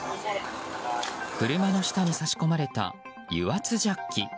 車の下に差し込まれた油圧ジャッキ。